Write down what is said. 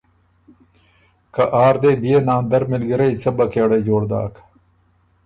که آر دې بئے ناندر مِلګِرئ څۀ بکېړۀ جوړ داک۔